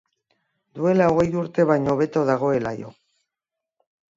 Duela hogei urte baino hobeto dagoela io.